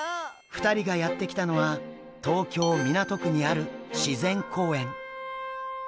２人がやって来たのは東京・港区にある自然公園。